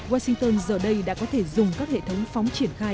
washington giờ đây đã có thể dùng các hệ thống phóng triển khai